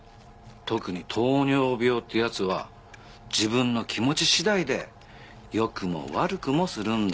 特に糖尿病ってやつは自分の気持ち次第で良くも悪くもするんだよ。